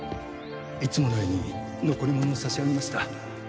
いつものように残り物を差し上げました。